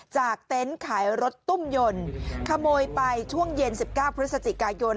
เต็นต์ขายรถตุ้มยนต์ขโมยไปช่วงเย็น๑๙พฤศจิกายน